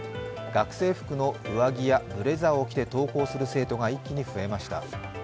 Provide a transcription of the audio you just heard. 学生服の上着やブレザーを着て登校する生徒が一気に増えました。